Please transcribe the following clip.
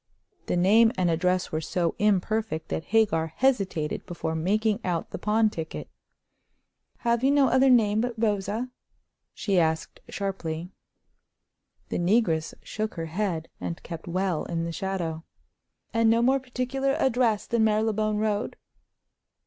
The name and address were so imperfect that Hagar hesitated before making out the pawn ticket. "Have you no other name but Rosa?" she asked, sharply. The negress shook her head, and kept well in the shadow. "And no more particular address than Marylebone Road?"